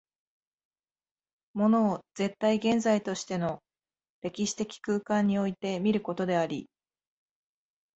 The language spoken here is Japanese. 物を絶対現在としての歴史的空間において見ることであり、